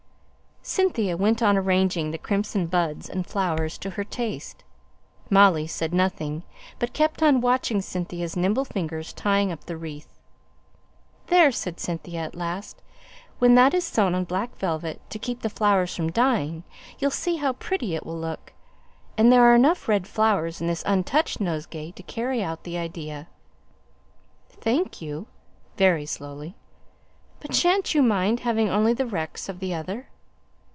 Cynthia went on arranging the crimson buds and flowers to her taste. Molly said nothing, but kept watching Cynthia's nimble fingers tying up the wreath. "There!" said Cynthia, at last, "when that is sewn on black velvet, to keep the flowers from dying, you'll see how pretty it will look. And there are enough red flowers in this untouched nosegay to carry out the idea!" "Thank you" (very slowly). "But sha'n't you mind having only the wrecks of the other?"